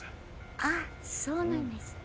ああそうなんですね。